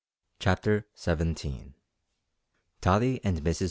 CHAPTER SEVENTEEN. TOTTIE AND MRS.